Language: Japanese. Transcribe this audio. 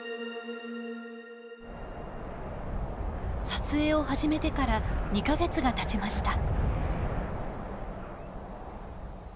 撮影を始めてから２か月がたちました。